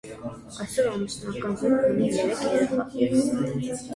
Այսօր ամուսնական զույգն ունի երեք երեխա։